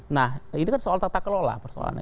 nah ini kan soal tata kelola persoalannya